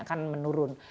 yang lain akan menurun